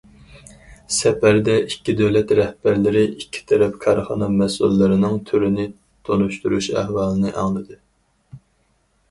سەپەردە، ئىككى دۆلەت رەھبەرلىرى ئىككى تەرەپ كارخانا مەسئۇللىرىنىڭ تۈرنى تونۇشتۇرۇش ئەھۋالىنى ئاڭلىدى.